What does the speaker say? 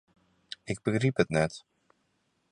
Ik begryp it net.